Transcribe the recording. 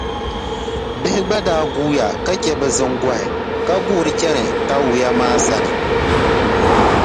Bihi gba daa guuya ka che bɛ ziŋgɔhi ka guuri chani Tawia maa sani.